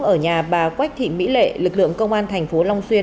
ở nhà bà quách thị mỹ lệ lực lượng công an thành phố long xuyên